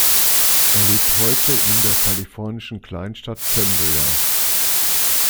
Er lebt heute in der kalifornischen Kleinstadt Cambria.